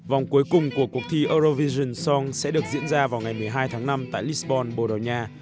vòng cuối cùng của cuộc thi eurovision song sẽ được diễn ra vào ngày một mươi hai tháng năm tại lisbon bordeaux